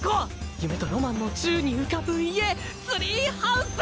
夢とロマンの宙に浮かぶ家ツリーハウス！